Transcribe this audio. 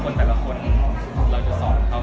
แต่ละคนเราจะสอนเขา